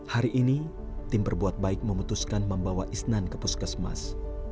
hari ini tim berbuat baik memutuskan membawa isnan ke puskesmas